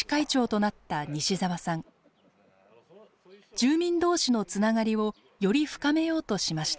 住民同士のつながりをより深めようとしました。